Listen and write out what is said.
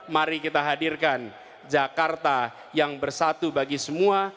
mari kita hadirkan jakarta yang bersatu bagi semua